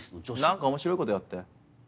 何か面白いことやって。